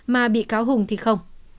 mà bị cáo hùng thì không